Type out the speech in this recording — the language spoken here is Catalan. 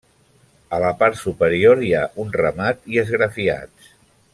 A la part superior hi ha un remat i esgrafiats.